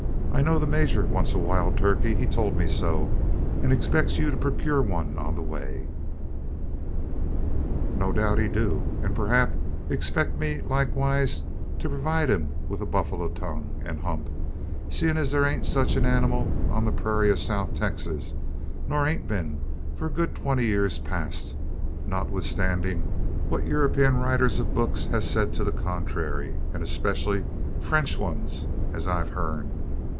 I know the major wants a wild turkey. He told me so; and expects you to procure one on the way." "No doubt he do; an preehap expex me likeways to purvid him wi' a baffler's tongue, an hump seein' as thur ain't sech a anymal on the purayras o' South Texas nor hain't a been for good twenty yurs past noterthstandin' what Eur op ean writers o' books hev said to the contrary, an 'specially French 'uns, as I've heern.